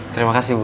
terima kasih bu